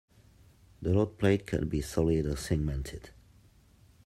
The load plate can be solid or segmented.